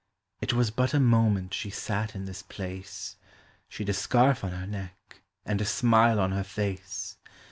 It was but a moment she sat in this place. She 'd a scarf on her neck, and a smile on her face